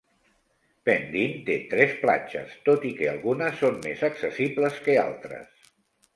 Pendeen té tres platges, tot i que algunes són més accessibles que altres.